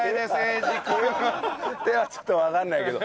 手はちょっとわかんないけど。